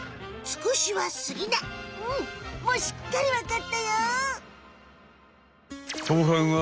うんもうしっかりわかったよ！